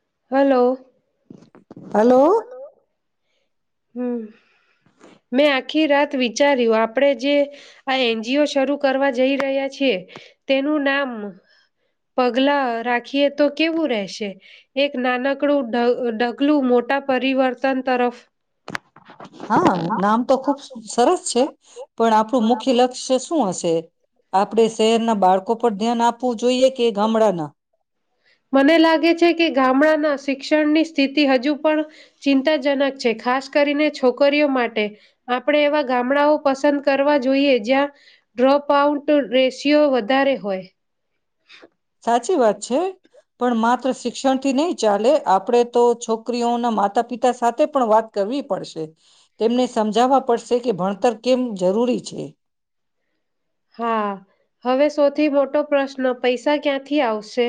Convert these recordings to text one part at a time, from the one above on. [unintelligible] Hello હમ મેં આખી રાત વિચાર્યું આપણેે જે આ એનજીઓ શરૂ કરવા જઈ રહ્યા છીએ તેનું નામ પગલા રાખીએ તો કેવું રહેશે એક નાનકડું ઢગલું મોટા પરિવર્તન તરફ. હા નામ તો ખુબ સરસ છે, પણ આપણું મુખ્ય લક્ષ્ય શું હશે આપડે શહેરના બાળકો પર ધ્યાન આપ આપું જોઈએ કે ગામડાના. મને લાગે છે, કે ગામડાના શિક્ષણની સ્થિતિ હજુ પણ ચિંતાજનક છે, ખાસ કરીને છોકરીઓ માટે આપણે એવા ગામડાઓ પસંદ કરવા જોઈએ જ્યાં ડ્રોપ આઉટ રેશિયો વધારે હોય. [inaudible] સાચી વાત છે પણ માત્ર શિક્ષણથી નહી ચાલે આપણેે તો છોકરીઓના માતા પિતા સાથે પણ વાત કરવી પડશે તેમને સમજાવવા પડશે કે ભણતર કેમ જરૂરી છે. હા હવે સૌથી મોટો પ્રશ્ન પૈસા ક્યાંથી આવશે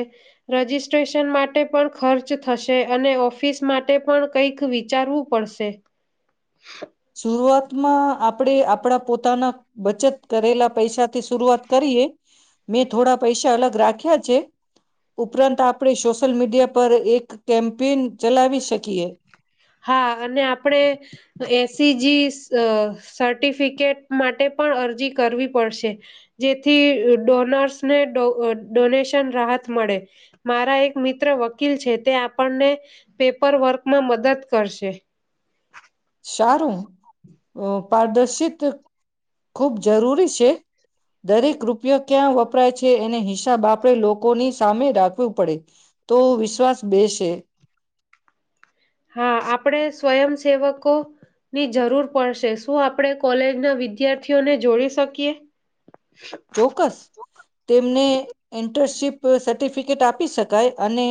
રજીિસ્ટ્રેશન માટે પણ ખર્ચ થશે અને ઓફિસ માટે પણ કંઈક વિચારવું પડશે. શરૂઆતમાં આપ આપણે આપણા પોતાના બચત કરેલા પૈસા થી શરૂઆત કરીએ. મેં થોડા પૈસા અલગ રાખ્યા છે, ઉપરાંત આપણે સોશિયલ મીડિયા પર એક [unintelligible] ચલાવી શકીએ. હા અને આપણે એસીજી સર્ટિફિકેટ માટે પણ અરજી કરવી પડશે જેથી ડોનર્સને ડોનેશન રાહત મળે મારા એક મિત્ર વકીલ છે, તે આપણને પેપર વર્કમાં મદદ કરશેે. ચારું પારદર્શિત ખૂબ જરૂરી છે, દરેક રૂપિયો ક્યાં વપરાય છે, એને હિસાબ આપણે લોકોની સામે રાખવું પડે. તો વિશ્વાસ [unintelligible] હા આપણે સ્વયંસેવકો ની જરૂર પડશે શું આપણે કોલેજના વિદ્યાર્થીઓને જોડી શકીએ. ચોક્કસ તેમને ઇન્ટર્નશીપ. સર્ટિફિકેટ આપી શકાય અને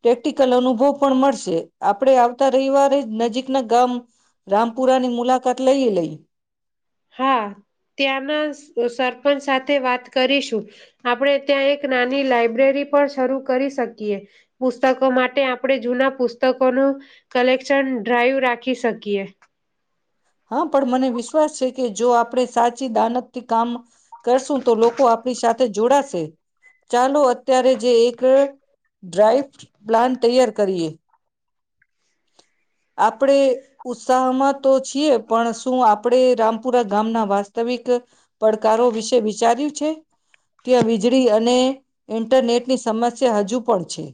પ્રેક્ટિકલ અનુભવ પણ મળશે. આપડે આવતા રવિવારે જ નજીકના ગામ. રામપુરા ની મુલાકાત [inaudible] હા ત્યાંના સરપંચ સાથે વાત કરીશું આપણે ત્યાં એક નાની લાઈબ્રેરી પણ શરૂ કરી શકીએ પુસ્તકો માટે આપણે જૂના પુસ્તકોનું કલેક્શન ડ્રાઈવ રાખી શકીએ. હા પણ મને વિશ્વાસ છે, કે જો આપણે સાચી દાનતથી કામ કરશું તો લોકો આપણી સાથે જોડાશે. ચાલો અત્યારે જે એક ડ્રાઈવ પ્લાન્ટ તૈયાર કરીએ. આપણેે ઉત્સાહમાં તો છીએ પણ શું આપણે રામપુરા ગામના વા વાસ્તવિક પડકારો વિશે વિચાર્યું છે, ત્યાં વીજળી અને ઇન્ટરનેટની સમસ્યા હજુ પણ છે.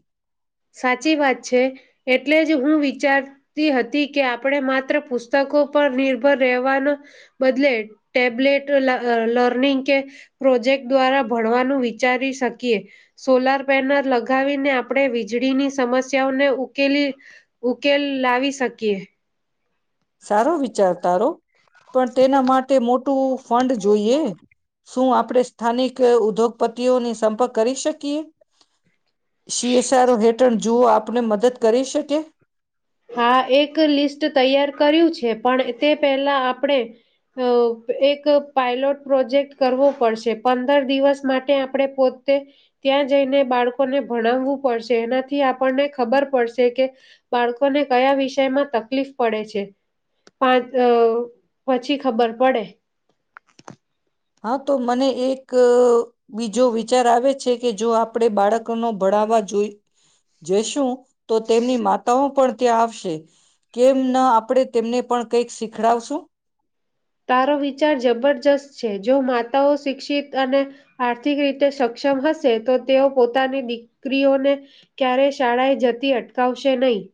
સાચી વાત છે, એટલે જ હું વિચારતી હતી કે આપણે માત્ર પુસ્તકો પર નિર્ભર રહેવાના બદલે ટેબ્લેટ લર્નિંગ કે પ્રોજેક્ટ દ્વારા ભણવાનું વિચારી શકીએ સોલાર પેનલ લગાવીને આપણે વીજળીની સમસ્યાઓને ઉકેલી ઉકેલ લાવી શકીએ. સારો વિચાર તારો પણ તેના માટે મોટું ફંડ જોઈએ શું આપણે સ્થાનિક ઉદ્યોગપતિ. ની સંપર્ક કરી શકીએ શીએસરોો હેઠળ જુઓ આપ આપને મદદ કરી શકી હા એક લિસ્ટ તૈયાર કર્યું છે પણ તે પહેલા આપણે અ એક પાયલોટ પ્રોજેક્ટ કરવો પડશે પંદર દિવસ માટે આપણે પોતે ત્યાં જઈને બાળકોને ભણાવવું પડશે એનાથી આપણને ખબર પડશે કે બાળકો ને કયા વિષયમાં તકલીફ પડે છે પછી ખબર પડે હા તો મને એક બીજો વિચાર આવે છે કે જો આપણે બાળકો નો ભાડાવવા જોઈ જઈશું. તો તેમની માતાઓ પણ ત્યાં આવશે. કેમ ન આપડે તેમને પણ કંઈક શીખડાવશું. તારો વિચાર જબરજસ્ત છે જો માતાઓ શિક્ષિત અને આર્થિક રીતે સક્ષમ હશે તો તેઓ પોતાની દીકરીઓને ક્યારેય શાળાએ જતી અટકાવશે નહીં.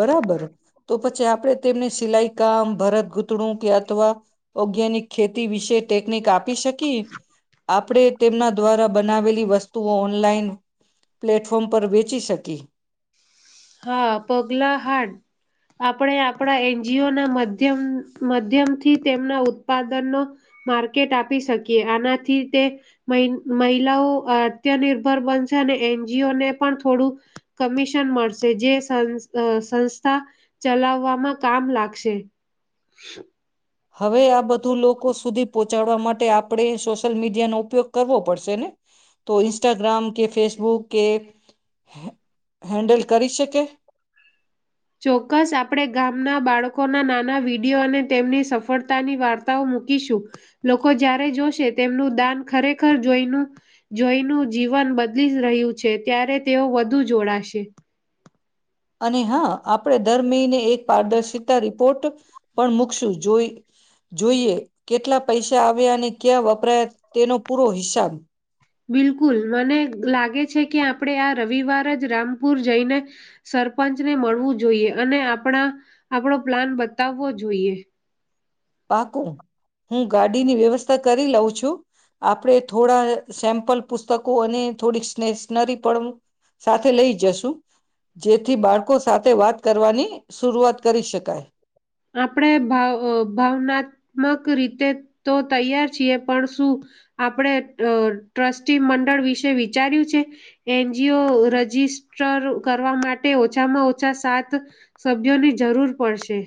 બરાબર તો પછી આપણે તેમને સિલાઈ કામ ભરત ગૂતણું કે અથવા ઓર્ગેનિક ખેતી વિશે ટેકનિક આપી શકી આપણે તેમના દ્વારા બનાવેલી વસ્તુઓ ઓનલાઈન પ્લેટફોર્મ પર વેચી શકી. હા, પગલા હાડ આપણે આપણા એન જી ઓ ના મધ્યમ મધ્યમથી તેમના ઉત્પાદનનો માર્કેટ આપી શકીએ આનાથી તે મહિ મહિલાઓ આત્યનિર્ભર બનશે અને એન જી ઓ ને પણ થોડું કમિશન મળશ શે જે સંસ્થ સંસ્થા ચલાવવામાં કામ લાગશે. હવે આ બધું લોકો સુધી પોહ ચાડવા માટે આપણે સોશિયલ મીડિયાનો ઉપયોગ કરવો પડશે ને. તો ઇસ્ટાગ્રામ કે ફેસ બુક કે હે હેન્ડલ કરી શકે. ચોક્કસ આપણે ગામના બાળકોના નાના વિડીયો અને તેમની સફળતાની વાર્તાઓ મૂકીશું લોકો જ્યારે જોશે તેમનું દાન ખરેખર જોઈનું જોઈનું જીવન બદલી રહ્યું છે ત્યારે તેઓ વધુ જોડાશે. અને હા આપણે દર મહિને એક પારદર્શિતા રિપોર્ટ પણ મૂકશું જોઈ જોઈએ કેટલા પૈસા આવ્યા અને ક્યાં વપરાયા તેનો પૂરો હિસાબ. બિલકુલ. મને લાગે છે કે આપણેે આ રવિવાર જ રામપુર જઈને સરપંચ ને મળવું જોઈએ અને આપણા આપણો પ્લાન બતાવવો જોઈએ. પાકું હું ગાડીની વ્યવસ્થા કરી લઉં છું આપડે થોડા સેમ્પલ પુસ્તકો અને થોડી સ્ટેશનરી પણ સાથે લઈ જશું જેથી બાળકો સાથે વાત કરવાની શુરુઆત કરી શકાય. આપણે ભાવ ભાવનાત્મક રીતે તો તૈયાર છીએ પણ શું આપણે અ ટ્રસ્ટી મંડળ વિશે વિચાર્યું છે એન જી ઓ રજિસ્ટર કરવા માટે ઓછામાં ઓછા સાત સભ્યોની જરૂર પડશે.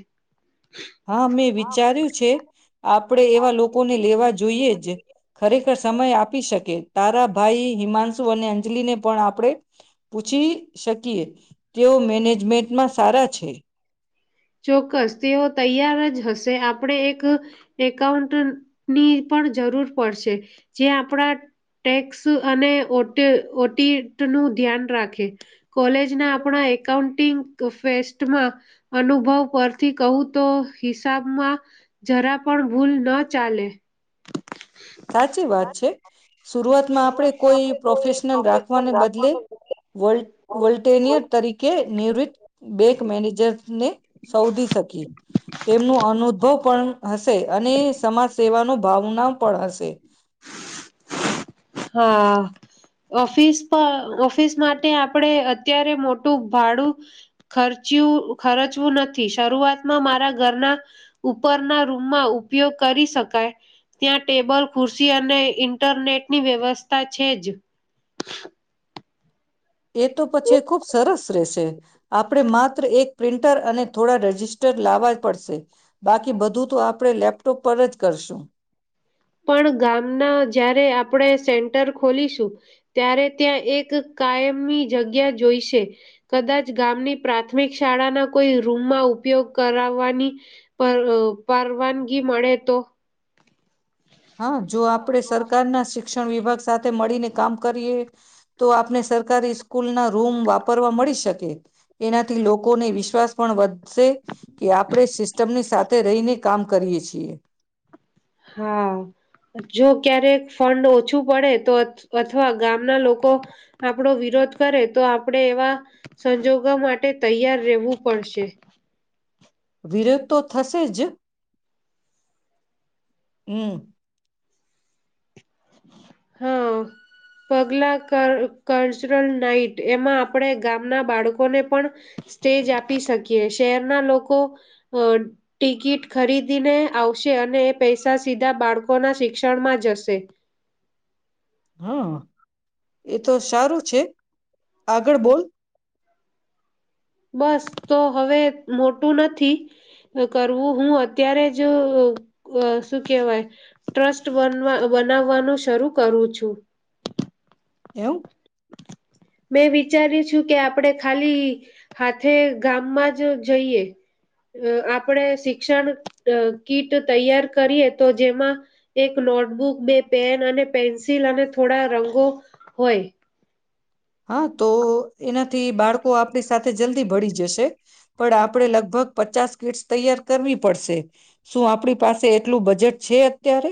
હા, મેં વિચાર્યું છે. આપણેે એવા લોકોને લેવા જોઈએ જ ખરેખર સમય આપી શકે. તારા ભાઈ હિમાંશુ અને અંજલી ને પણ આપણે પૂછી શકીએ તેઓ મેનેજમેન્ટમાં સારા છે. ચોક્કસ તેઓ તૈયાર જ હશે આપણે એક એકાઉન્ટનની પણ જરૂર પડશે જે આપણા ટેક્સ અને ઓટ ઓટીટ નું ધ્યાન રાખે. કોલેજના આપણા એકાઉન્ટ ટિક ફેસ્ટમાં. અનુભવ પરથી કહું તો હિસાબમાં જરા પણ ભૂલ ન ચાલે. સાચી વાત છે, શુરૂઆતમાં આપણે કોઈ પ્રોફેશનલ રાખવાને બદલે [unintelligible] તરીકે નિવૃત્ત બેંક મેનેજરને શોધી શકી તેમનું અનુદભવ પણ હશે અને સમાજ સેવાનો ભાવના પણ હશે. હા, ઓફિસ પ ઓફિસ માટે આપણે અત્યારે મોટું ભાડું ખર્ચ્યું ખર્ચવું નથી શરૂઆતમાં મારા ઘરના ઉપરના રૂમમાં ઉપયોગ કરી શકાય ત્યાં ટેબલ ખુરશી અને ઇન્ટરનેટ ની વ્યવસ્થા છે, જ. એ તો પછી ખુબ સરસ રહેશે. આપણે માત્ર એક પ્રિન્ટર અને થોડા રજિસ્ટર લાવવા જ પડશે બાકી બધું તો આપણે લેપટોપ પર જ કરશું. પણ ગામના જારે આપણે સેન્ટર ખોલીશું ત્યારે ત્યાં એક કાયમી જગ્યા જોઈશે કદાચ ગામની પ્રાથમિક શાળાના કોઈ રૂમમાં ઉપયોગ કરાવવાની પર પરવાનગી મળે તો હા જો આપણે સરકારના શિક્ શિક્ષણ વિભાગ સાથે મળીને કામ કરીએ તો આપને સરકારી સ્કૂલ ના રૂમ વાપરવા મળી શકે એનાથી લોકોને વિશ્વાસ પણ વધ કે આપણે સિસ્ટમની સાથે રહીને. કામ કરીએ છીએ હા જો ક્યારેક ફંડ ઓછું પડે તો અથવા ગામના લોકો આપડો વિરોધ કરે તો આપડે એવા સંજોગો માટે તૈયાર રહેવું પડશે. [unintelligible] તો થશે જ હમ હા પગલા [unintelligible] નાઈટ એમાં આપણે ગામના બાળકોને પણ સ્ટેજ આપી શકીએ શહેરના લોકો ટિકિટ ખરીદીને આવશે અને પૈસા સીધા બાળકોના શિક્ષણમાં જશે. હા એ તો સારું છે, આગળ બોલ બસ તો હવે મોટું નથી કરવું હું અત્યારે જ શું કેહેવાય ટ્રસ્ટ બનવા બનાવવાનું શરૂ કરું છું. [unintelligible] મેં વિચાર્યું છું, કે આપણે ખાલી હાથે ગામમાં જ જઈએ આપણે શિક્ષણ કીટ તૈયાર કરીએ તો જેમાં એક નોટબુક બે પેન અને પેન્સિલ અને થોડા રંગો હોય. હા તો એનાથી બાળકો આપણી સાથે જલ્દી ભળી જશે પણ આપણે લગભગ પચાસ કીટ્સ તૈયાર કરવી પડશે શું આપણી પાસે એટલું બજેટ છે, અત્યારે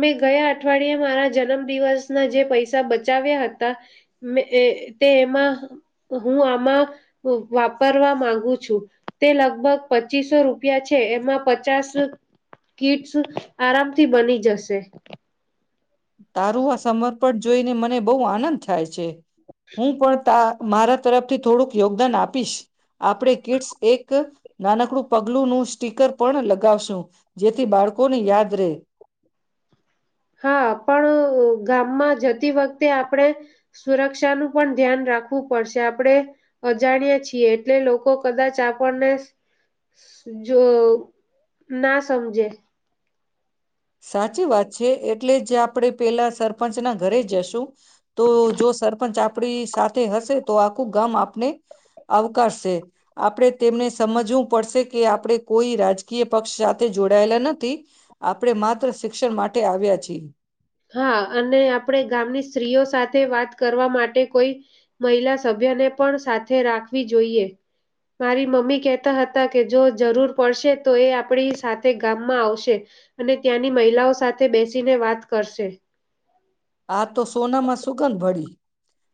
મેં ગયા અઠવાડિયે મારા જન્મ દિવસના જે પૈસા બચાવ્યા હતા [unintelligible] તે એમાં હું આમાં વાપરવા માંગુ છું, તે લગભગ પચીસો રૂપિયા છે, એમાં પચાસ કીટસ આરામથી બની જશે. છે. તારું આ સમર્પણ જોઈને મને બહુ આનંદ થાય છે. હું પણ [unintelligible] મારા તરફથી થોડુંક યોગદાન આપીશ આપણે કિટ્સ એક નાનકડું પગલુંનું સ્ટીકર પણ લગાવશું જેથી બાળકોને યાદ રહે. હા પણ ગામમાં જતી વખતે આપણે સુરક્ષાનુ [unintelligible] પણ ધ્યાન રાખવું પડશે આપણે અજાણ્યા છીએ એટલે લોકો કદાચ આપણને જો ના સમજે. સાચી વાત છે, એટલે જ આપડે પેલા સરપંચના ઘરે જશું તો જો સરપંચ આપડી સાથે હશે તો આખું ગામ આપને [unintelligible] આપડે તેમને સમજવું પડશે કે [unintelligible] કોઈ રાજકીય પક્ષ સાથે જોડાયેલા. નથી. આપણે માત્ર શિક્ષણ માટે આવ્યા છીએ. હા અને આપણે ગામની સ્ત્રીઓ સાથે વાત કરવા માટે કોઈ મહિલા સભ્યને પણ સાથે રાખવી જોઈએ મારી મમ્મી કહેતા હતા કે જો જરૂર પડશે તો એ આપડી સાથે ગામમાં આવશે અને ત્યાંની મહિલાઓ સાથે બેસીને વાત કરશે. આ તો સોનામાં સુગંધ ભળી.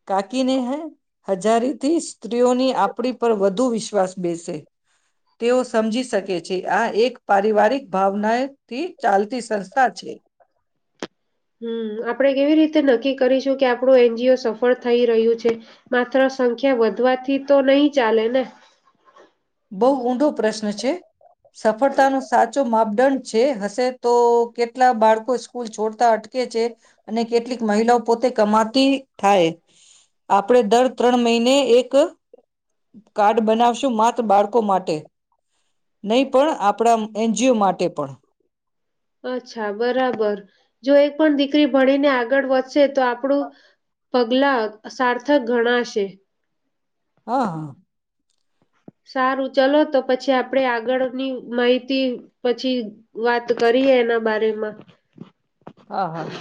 કાકીને હૈ. હજારી થી સ્ત્રીઓની [unintelligible] પર વધુ વિશ્વાસ બેસે તેઓ સમજી શકે છે, આ એક પારિવારિક ભાવનાથી ચાલતી સંસ્થા છે. હમ આપણેે કેવી રીતે નક્કી કરીશું કે આપણું એનજીઓ સફળ થઈ રહ્યું છે, માત્ર સંખ્યા વધવાથી તો નહી ચાલે ને બહુ ઊંડો પ્રશ્ન છે, સફળતાનો સાચો માપદંડ છે, હશે તો કેટલા બાળકો સ્કૂલ છોડતા અટકે છે, અને કેટલીક મહિલાઓ પોતે કમાતી થાય આપણે દર ત્રણ મહિને એક કાર્ડ બનાવશું માત્ર બાળકો માટે નહી પણ આપણા એનજીઓ માટે પણ અચ્છા બરાબર જો એક પણ દીકરી ભણીને આગળ વધ તો આપડું પગલા સાર્થક ઘણાશે હા હા. સારું ચલો તો પછી આપડે આગળની માહિતી પછી વાત કરીએ એના બારેમાં હા હા.